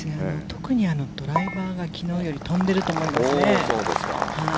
特にドライバーが昨日より飛んでいると思います。